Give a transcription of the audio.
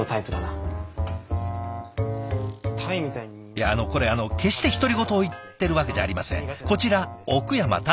いやこれあの決して独り言を言ってるわけじゃありません。